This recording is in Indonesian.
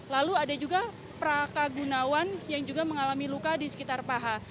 lalu ada juga prakagunawan yang juga mengalami luka di sekitar paha